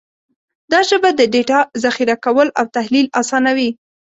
دا ژبه د ډیټا ذخیره کول او تحلیل اسانوي.